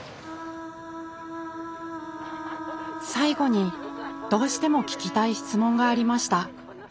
最後にどうしても聞きたい質問がありました。